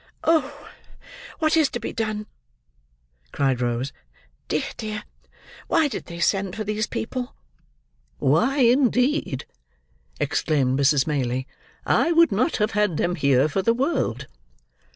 "Oh! what is to be done?" cried Rose. "Dear, dear! why did they send for these people?" "Why, indeed!" exclaimed Mrs. Maylie. "I would not have had them here, for the world."